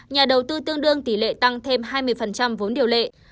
nhà đầu tư tương đương tỷ lệ tăng thêm hai mươi vốn điều lệ